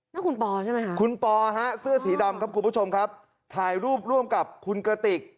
นั่นคุณปอใช่ไหมคะคุณปอฮะเสื้อสีดำครับคุณผู้ชมครับถ่ายรูปร่วมกับคุณกระติก